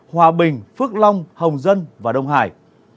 hòa bình phước long hồng dân và đông hải